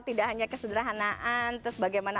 tidak hanya kesederhanaan terus bagaimana